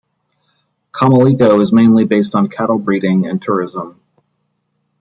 Comelico is mainly based on cattle-breeding and tourism.